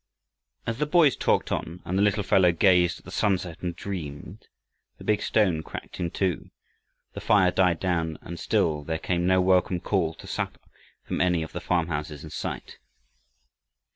As the boys talked on, and the little fellow gazed at the sunset and dreamed, the big stone cracked in two, the fire died down, and still there came no welcome call to supper from any of the farmhouses in sight.